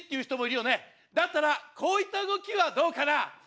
だったらこういった動きはどうかな？